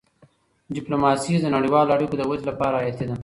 ډيپلوماسي د نړیوالو اړیکو د ودې لپاره حیاتي ده.